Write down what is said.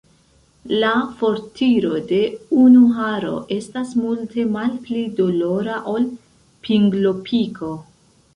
La fortiro de unu haro estas multe malpli dolora ol pinglopiko.